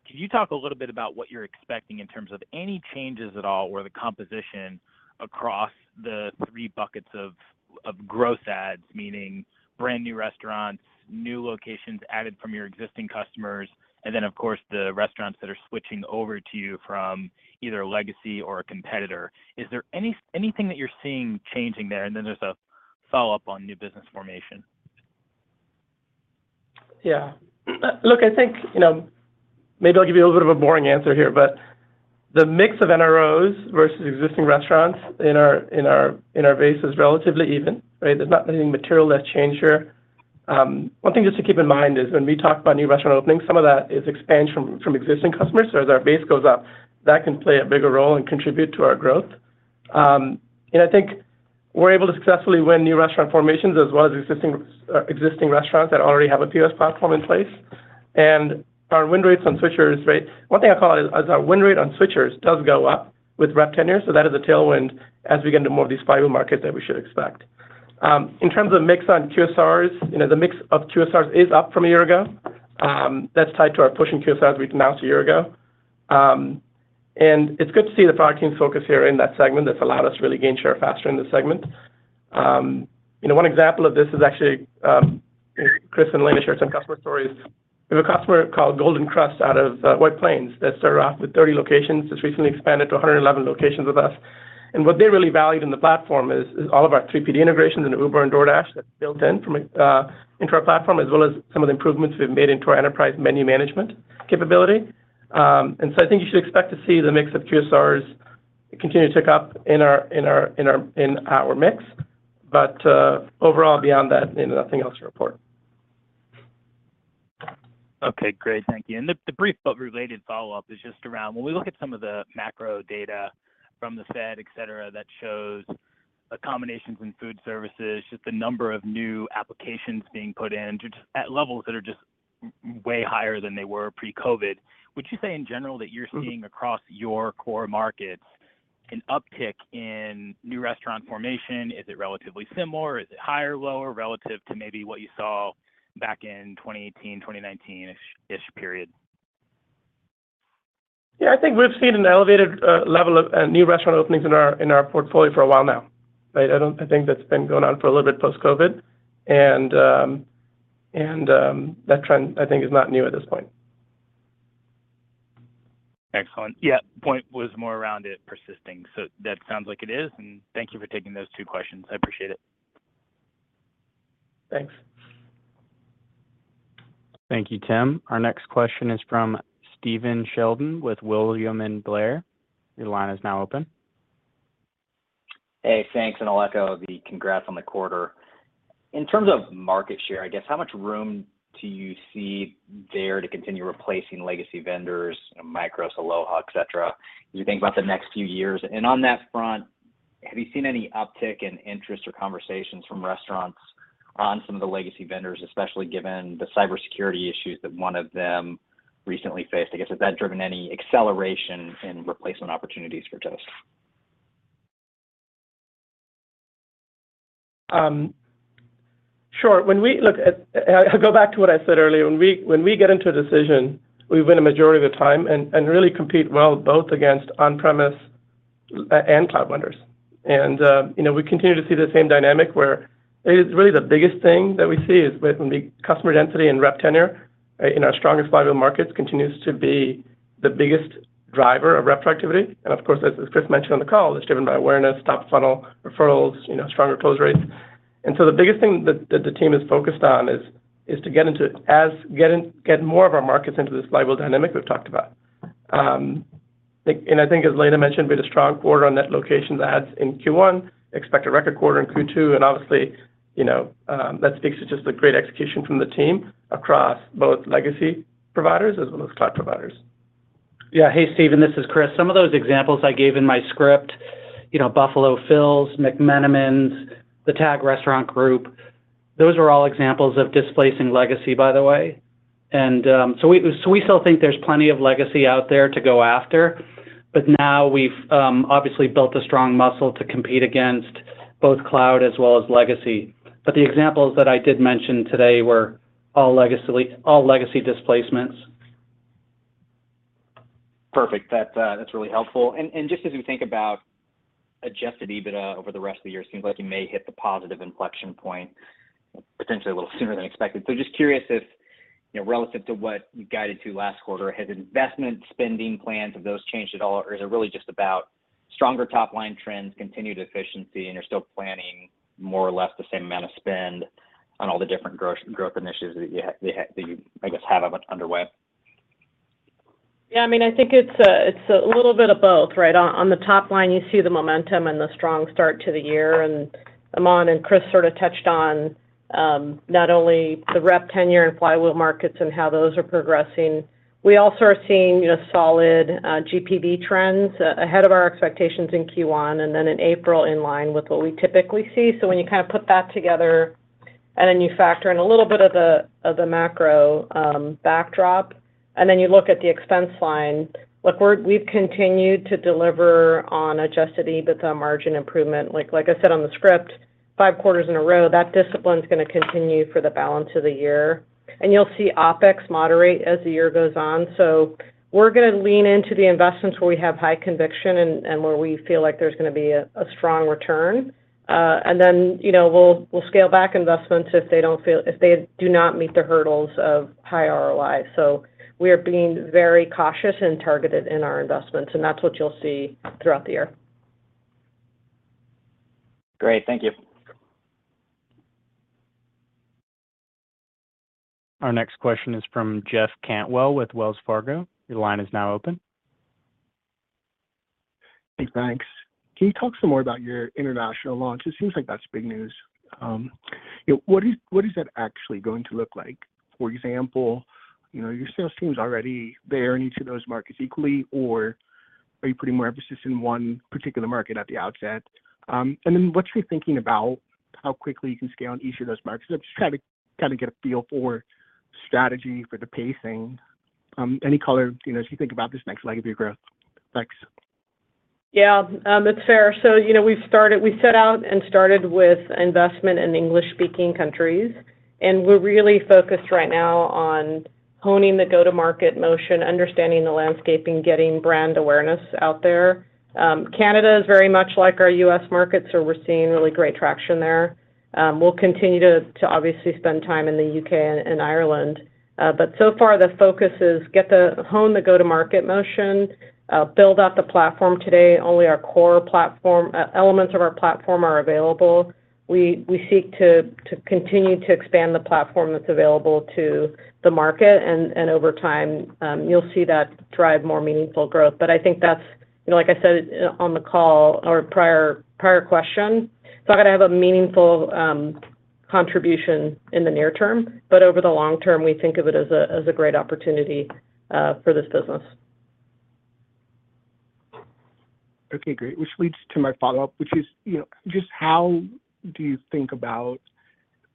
Can you talk a little bit about what you're expecting in terms of any changes at all or the composition across the three buckets of gross adds, meaning brand new restaurants, new locations added from your existing customers, and then, of course, the restaurants that are switching over to you from either a legacy or a competitor? Is there anything that you're seeing changing there? Then there's a follow-up on new business formation. Look, I think, you know, maybe I'll give you a little bit of a boring answer here, but the mix of NROs versus existing restaurants in our base is relatively even, right? There's not anything material that's changed here. One thing just to keep in mind is when we talk about new restaurant openings, some of that is expansion from existing customers. As our base goes up, that can play a bigger role and contribute to our growth. I think we're able to successfully win new restaurant formations as well as existing restaurants that already have a POS platform in place. Our win rates on switchers, right? One thing I call it is our win rate on switchers does go up with rep tenure. That is a tailwind as we get into more of these flywheel markets that we should expect. In terms of mix on QSRs, you know, the mix of QSRs is up from a year ago. That's tied to our push in QSR as we announced a year ago. It's good to see the product team's focus here in that segment. That's allowed us to really gain share faster in the segment. You know, one example of this is actually, Chris and Elena shared some customer stories. We have a customer called Golden Krust out of White Plains that started off with 30 locations, just recently expanded to 111 locations with us. What they really valued in the platform is all of our third-party integrations into Uber and DoorDash that's built in from into our platform, as well as some of the improvements we've made into our enterprise menu management capability. I think you should expect to see the mix of QSRs continue to tick up in our mix. Overall, beyond that, you know, nothing else to report. Okay, great. Thank you. The brief but related follow-up is just around when we look at some of the macro data from the Fed, et cetera, that shows accommodations in food services, just the number of new applications being put in at levels that are way higher than they were pre-COVID. Would you say in general that you're seeing across your core markets an uptick in new restaurant formation? Is it relatively similar? Is it higher, lower relative to maybe what you saw back in 2018, 2019-ish period? Yeah, I think we've seen an elevated level of new restaurant openings in our portfolio for a while now, right? I think that's been going on for a little bit post-COVID. That trend, I think, is not new at this point. Excellent. Yeah. Point was more around it persisting. That sounds like it is. Thank you for taking those two questions. I appreciate it. Thanks. Thank you, Tim. Our next question is from Stephen Sheldon with William Blair. Your line is now open. Hey, thanks. I'll echo the congrats on the quarter. In terms of market share, I guess how much room do you see there to continue replacing legacy vendors, you know, MICROS, Aloha, et cetera, as you think about the next few years? On that front, have you seen any uptick in interest or conversations from restaurants on some of the legacy vendors, especially given the cybersecurity issues that one of them recently faced? I guess, has that driven any acceleration in replacement opportunities for Toast? Sure. When we go back to what I said earlier, when we get into a decision, we win a majority of the time and really compete well both against on-premise and cloud vendors. You know, we continue to see the same dynamic where it is really the biggest thing that we see is with the customer density and rep tenure in our strongest flywheel markets continues to be the biggest driver of rep productivity. Of course, as Chris mentioned on the call, it's driven by awareness, top funnel referrals, you know, stronger close rates. The biggest thing that the team is focused on is to get more of our markets into this flywheel dynamic we've talked about. Like, I think as Lena mentioned, we had a strong quarter on net locations adds in Q1, expect a record quarter in Q2. Obviously, you know, that speaks to just the great execution from the team across both legacy providers as well as cloud providers. Hey, Stephen, this is Chris. Some of those examples I gave in my script, you know, Buffalo Phil's, McMenamins, the TAG Restaurant Group, those were all examples of displacing legacy, by the way. We still think there's plenty of legacy out there to go after, but now we've obviously built a strong muscle to compete against both cloud as well as legacy. The examples that I did mention today were all legacy displacements. Perfect. That's really helpful. Just as we think about adjusted EBITDA over the rest of the year, it seems like you may hit the positive inflection point potentially a little sooner than expected. Just curious if, you know, relative to what you guided to last quarter, has investment spending plans, have those changed at all, or is it really just about stronger top line trends, continued efficiency, and you're still planning more or less the same amount of spend on all the different growth initiatives that you, I guess, have underway? Yeah, I mean, I think it's a little bit of both, right? On the top line, you see the momentum and the strong start to the year, and Aman and Chris sort of touched on not only the rep tenure in flywheel markets and how those are progressing. We also are seeing, you know, solid GPV trends ahead of our expectations in Q1 and then in April in line with what we typically see. When you kind of put that together, and then you factor in a little of the macro backdrop, and then you look at the expense line, look, we've continued to deliver on adjusted EBITDA margin improvement. Like I said on the script, five quarters in a row, that discipline's gonna continue for the balance of the year. You'll see OpEx moderate as the year goes on. We're gonna lean into the investments where we have high conviction and where we feel like there's gonna be a strong return. Then, you know, we'll scale back investments if they do not meet the hurdles of high ROI. We are being very cautious and targeted in our investments, and that's what you'll see throughout the year. Great. Thank you. Our next question is from Jeff Cantwell with Wells Fargo. Your line is now open. Thanks. Can you talk some more about your international launch? It seems like that's big news. What is that actually going to look like? For example, you know, your sales team's already there in each of those markets equally, or are you putting more emphasis in one particular market at the outset? What's your thinking about how quickly you can scale in each of those markets? I'm just trying to kind of get a feel for strategy for the pacing, any color, you know, as you think about this next leg of your growth. Thanks. Yeah. It's fair. You know, we set out and started with investment in English-speaking countries, and we're really focused right now on honing the go-to-market motion, understanding the landscaping, getting brand awareness out there. Canada is very much like our U.S. market, so we're seeing really great traction there. We'll continue to obviously spend time in the U.K. and Ireland. So far the focus is hone the go-to-market motion, build out the platform. Today, only our core platform elements of our platform are available. We seek to continue to expand the platform that's available to the market, and over time, you'll see that drive more meaningful growth. I think that's, you know, like I said on the call or prior question, it's not going to have a meaningful contribution in the near term, but over the long term, we think of it as a, as a great opportunity for this business. Okay, great. Which leads to my follow-up, which is, you know, just how do you think about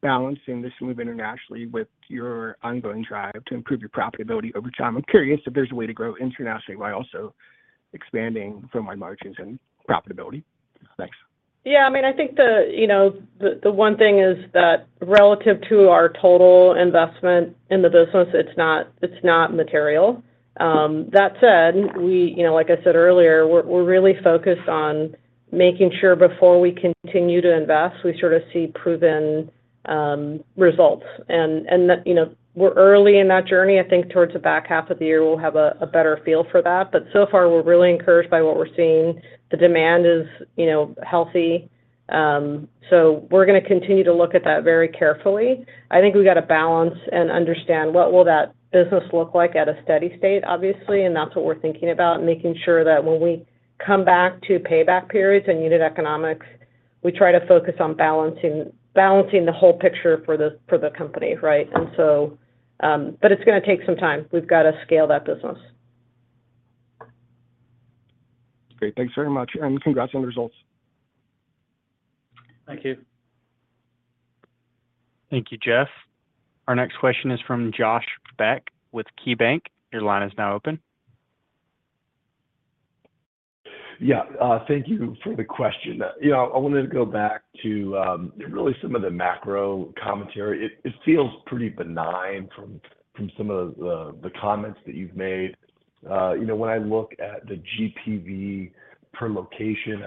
balancing this move internationally with your ongoing drive to improve your profitability over time? I'm curious if there's a way to grow internationally while also expanding from wide margins and profitability. Thanks. Yeah. I mean, I think the, you know, the one thing is that relative to our total investment in the business, it's not, it's not material. That said, you know, like I said earlier, we're really focused on making sure before we continue to invest, we sort of see proven results. That, you know, we're early in that journey. I think towards the back half of the year we'll have a better feel for that. So far, we're really encouraged by what we're seeing. The demand is, you know, healthy. We're gonna continue to look at that very carefully. I think we got to balance and understand what will that business look like at a steady state, obviously, and that's what we're thinking about, and making sure that when we come back to payback periods and unit economics, we try to focus on balancing the whole picture for the company, right? It's gonna take some time. We've got to scale that business. Great. Thanks very much, and congrats on the results. Thank you. Thank you, Jeff. Our next question is from Josh Beck with KeyBanc. Your line is now open. Yeah. Thank you for the question. You know, I wanted to go back to really some of the macro commentary. It feels pretty benign from some of the comments that you've made. You know, when I look at the GPV per location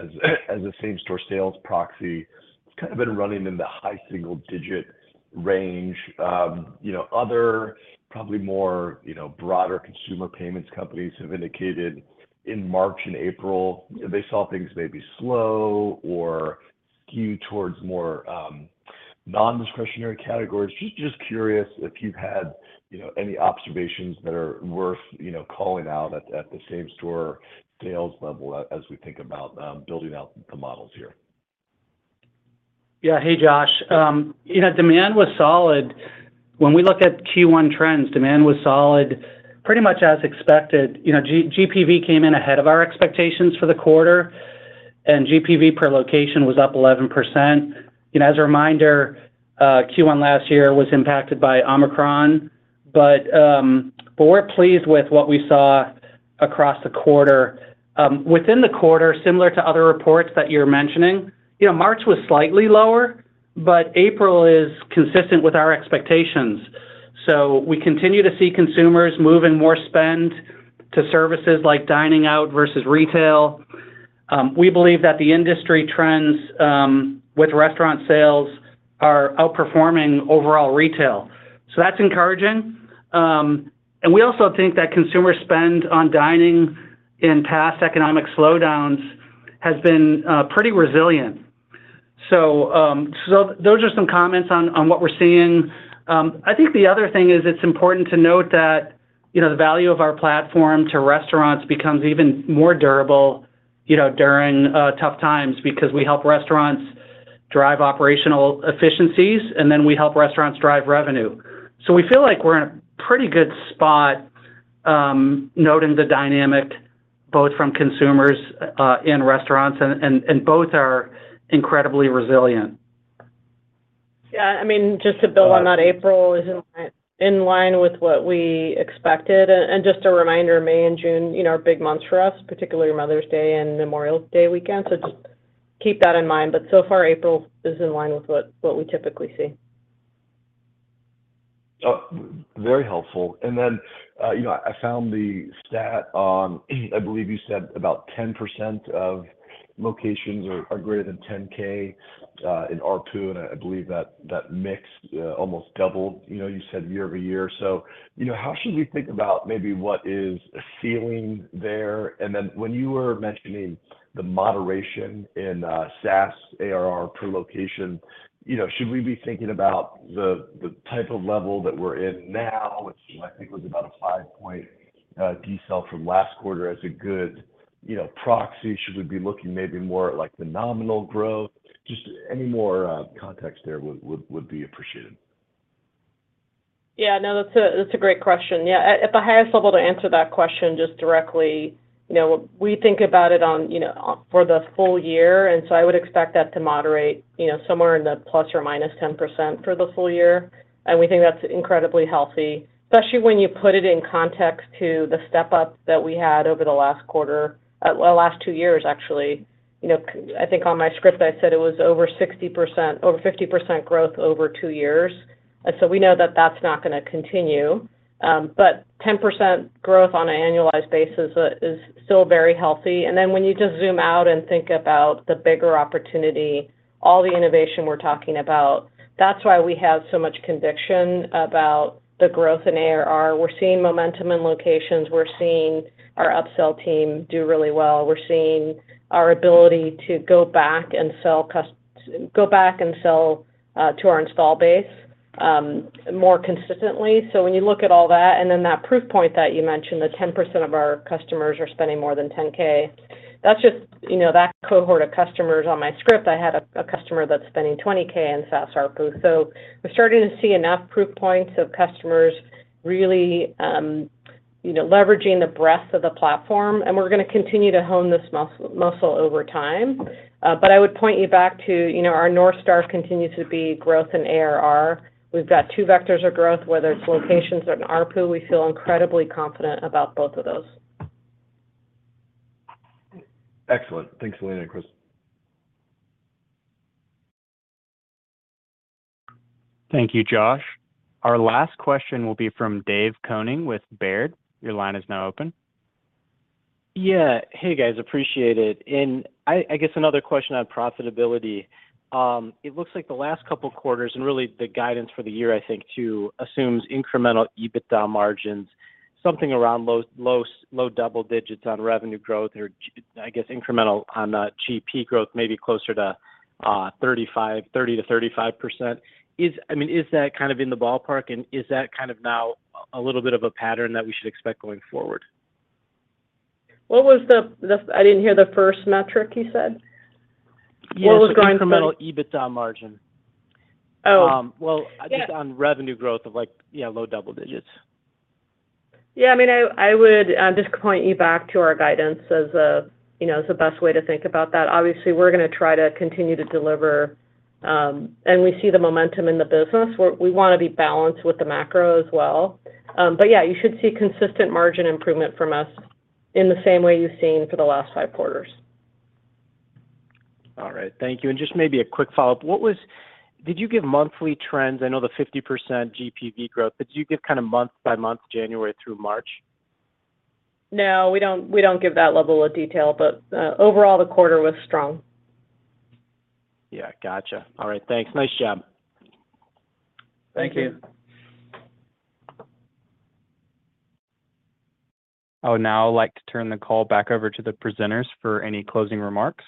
as a same-store sales proxy, it's kind of been running in the high single digit range. You know, other probably more, you know, broader consumer payments companies have indicated in March and April they saw things maybe slow or skew towards more non-discretionary categories. Just curious if you've had, you know, any observations that are worth, you know, calling out at the same store sales level as we think about building out the models here. Yeah. Hey, Josh. You know, demand was solid. When we look at Q1 trends, demand was solid pretty much as expected. You know, GPV came in ahead of our expectations for the quarter, and GPV per location was up 11%. As a reminder, Q1 last year was impacted by Omicron. We're pleased with what we saw across the quarter. Within the quarter, similar to other reports that you're mentioning, you know, March was slightly lower, but April is consistent with our expectations. We continue to see consumers moving more spend to services like dining out versus retail. We believe that the industry trends with restaurant sales are outperforming overall retail. That's encouraging. We also think that consumer spend on dining in past economic slowdowns has been pretty resilient. Those are some comments on what we're seeing. I think the other thing is it's important to note that, you know, the value of our platform to restaurants becomes even more durable, you know, during tough times because we help restaurants drive operational efficiencies, and then we help restaurants drive revenue. We feel like we're in a pretty good spot, noting the dynamic both from consumers in restaurants and both are incredibly resilient. Yeah. I mean, just to build on that, April is in line with what we expected. And just a reminder, May and June, you know, are big months for us, particularly Mother's Day and Memorial Day weekend. Just keep that in mind. So far, April is in line with what we typically see. Very helpful. You know, I found the stat on, I believe you said about 10% of locations are greater than 10K in R2, and I believe that mix almost doubled, you know, you said year-over-year. You know, how should we think about maybe what is a ceiling there? When you were mentioning the moderation in SaaS ARR per location, you know, should we be thinking about the type of level that we're in now, which I think was about a five-point decel from last quarter as a good- You know, proxy, should we be looking maybe more at, like, the nominal growth? Just any more context there would be appreciated. Yeah. No, that's a great question. Yeah. At the highest level, to answer that question just directly, you know, we think about it on, you know, for the full year, I would expect that to moderate, you know, somewhere in the ±10% for the full year. We think that's incredibly healthy, especially when you put it in context to the step-up that we had over the last quarter, well, last two years, actually. You know, I think on my script I said it was over 60%, over 50% growth over two years. We know that that's not gonna continue. 10% growth on an annualized basis is still very healthy. When you just zoom out and think about the bigger opportunity, all the innovation we're talking about, that's why we have so much conviction about the growth in ARR. We're seeing momentum in locations. We're seeing our upsell team do really well. We're seeing our ability to go back and sell to our install base more consistently. When you look at all that proof point that you mentioned, that 10% of our customers are spending more than $10,000, that's just, you know, that cohort of customers. On my script, I had a customer that's spending 20K in SaaS ARPU. We're starting to see enough proof points of customers really, you know, leveraging the breadth of the platform, and we're gonna continue to hone this muscle over time. I would point you back to, you know, our North Star continues to be growth in ARR. We've got two vectors of growth, whether it's locations or in ARPU. We feel incredibly confident about both of those. Excellent. Thanks Elena and Chris. Thank you, Josh. Our last question will be from Dave Koning with Baird. Your line is now open. Yeah. Hey, guys. Appreciate it. I guess another question on profitability. It looks like the last couple quarters, and really the guidance for the year I think too, assumes incremental EBITDA margins something around low double digits on revenue growth or I guess incremental on GP growth, maybe closer to 35%, 30%-35%. I mean, is that kind of in the ballpark, and is that kind of now a little bit of a pattern that we should expect going forward? I didn't hear the first metric you said. What was growing? Yes, the incremental EBITDA margin. Oh. Yeah I think on revenue growth of, like, yeah, low double digits. Yeah, I mean, I would just point you back to our guidance as, you know, as the best way to think about that. Obviously, we're gonna try to continue to deliver. We see the momentum in the business. We wanna be balanced with the macro as well. Yeah, you should see consistent margin improvement from us in the same way you've seen for the last five quarters. All right. Thank you. Just maybe a quick follow-up. Did you give monthly trends? I know the 50% GPV growth, but did you give kind of month by month, January through March? No, we don't give that level of detail. Overall, the quarter was strong. Yeah, gotcha. All right, thanks. Nice job. Thank you. Thank you. I would now like to turn the call back over to the presenters for any closing remarks.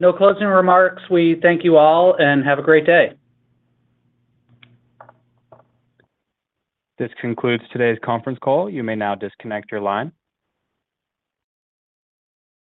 No closing remarks. We thank you all, and have a great day. This concludes today's conference call. You may now disconnect your line.